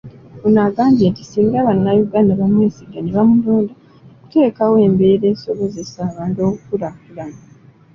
Ono agambye nti singa bannayuganda bamwesiga nebamulonda, ajja kuteekawo embeera esobozesa abantu okukulaakulana